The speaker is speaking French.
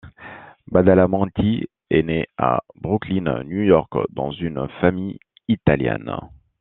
Badalamenti est né à Brooklyn, New York, dans une famille italienne.